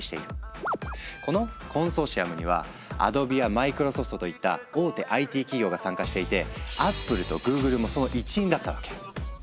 このコンソーシアムにはアドビやマイクロソフトといった大手ＩＴ企業が参加していてアップルとグーグルもその一員だったわけ。